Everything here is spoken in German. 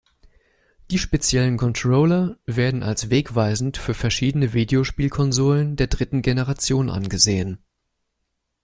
Die speziellen Controller werden als wegweisend für verschiedene Videospielkonsolen der dritten Generation angesehen.